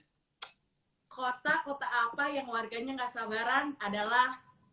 kota kota apa yang warganya gak sabaran adalah